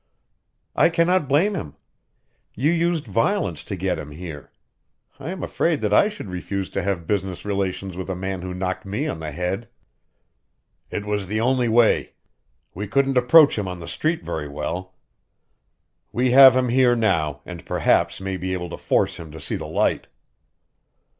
"I cannot blame him. You used violence to get him here. I am afraid that I should refuse to have business relations with a man who knocked me on the head." "It was the only way. We couldn't approach him on the street very well. We have him here now and perhaps may be able to force him to see the light."